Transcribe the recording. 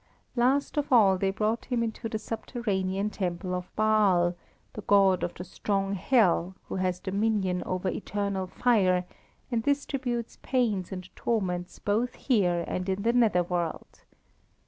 Last of all they brought him into the subterranean temple of Baal, the god of the strong hell, who has dominion over eternal fire, and distributes pains and torments both here and in the nether world.